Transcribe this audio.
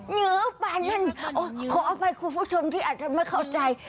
เหนือความใจนี่ขอเอาไปครูผู้ชมที่ไม่เข้าใจ